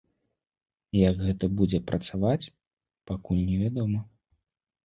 Як гэта будзе працаваць, пакуль невядома.